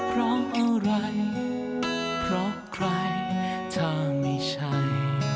เพราะอะไรเพราะใครถ้าไม่ใช่